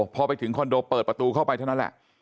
พอไปถึงคอนโดเปิดประตูเข้าไปเท่านั้นแหละ